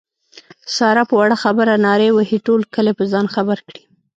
ساره په وړه خبره نارې وهي ټول کلی په ځان خبر کړي.